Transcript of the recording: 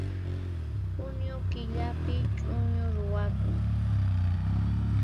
Junio killapi ch'uñu ruwakun